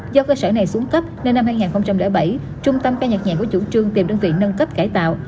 do cơ sở này xuống cấp nên năm hai nghìn bảy trung tâm ca nhạc nhẹ có chủ trương tìm đơn vị nâng cấp cải tạo